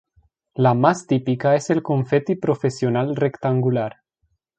La más típica es el confeti profesional rectangular.